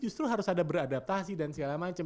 justru harus ada beradaptasi dan segala macam